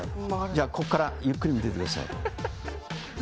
じゃ、ここからゆっくり見ててください。